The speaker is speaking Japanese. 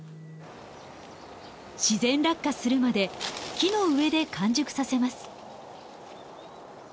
自然落下するまで木の上で完熟させます。